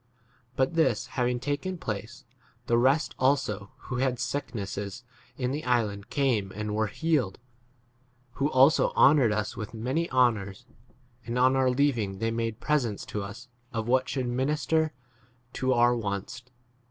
But this d having taken place, the rest also who had sick nesses in the island came and were 10 healed : who also honoured us with many honours, and on our leaving they made presents to us of what should minister to our wants.